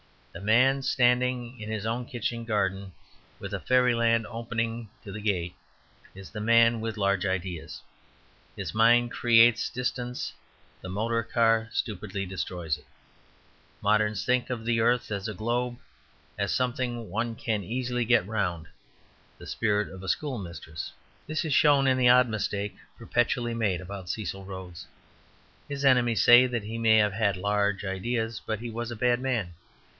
The man standing in his own kitchen garden, with fairyland opening at the gate, is the man with large ideas. His mind creates distance; the motor car stupidly destroys it. Moderns think of the earth as a globe, as something one can easily get round, the spirit of a schoolmistress. This is shown in the odd mistake perpetually made about Cecil Rhodes. His enemies say that he may have had large ideas, but he was a bad man.